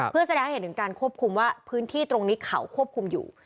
เพื่อแสดงให้เห็นถึงการควบคุมว่าพื้นที่ตรงนี้เขาควบคุมอยู่